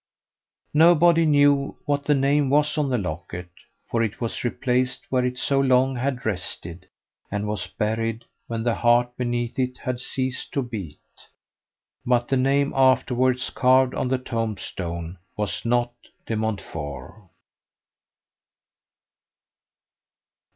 Nobody knew what name was on the locket, for it was replaced where it so long had rested, and was buried when the heart beneath it had ceased to beat; but the name afterwards carved on the tombstone was not De Montfort.